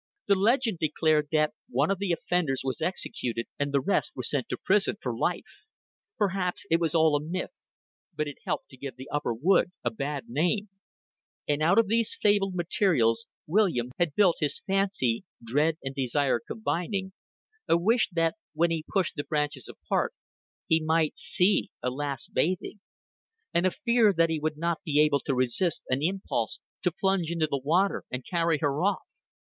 The legend declared that one of the offenders was executed and the rest were sent to prison for life. Perhaps it was all a myth, but it helped to give the upper wood a bad name; and out of these fabled materials William had built his fancy dread and desire combining a wish that, when he pushed the branches apart, he might see a lass bathing; and a fear that he would not be able to resist an impulse to plunge into the water and carry her off.